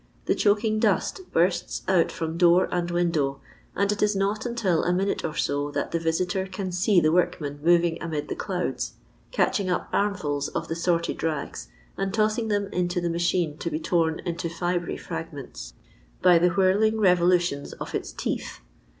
The choking dust bursts out from door and window, and it is not until a minute or so that the visitor can see the workmen moving amid the clouds, catching up armfuls of the sorted rags and tossing them into the machine to be torn into fibry frog LONDON LABOUR AND TBB LONDON POOR. 81 menti by the whirling reToIntions of its teeth.